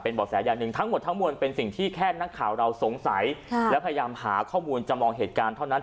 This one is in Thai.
บอกแสอย่างหนึ่งทั้งหมดทั้งมวลเป็นสิ่งที่แค่นักข่าวเราสงสัยและพยายามหาข้อมูลจำลองเหตุการณ์เท่านั้น